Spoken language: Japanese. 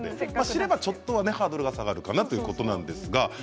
知ればちょっとはねハードルが下がるかなということなんですが。